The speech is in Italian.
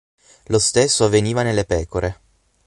Lo stesso avveniva nelle pecore.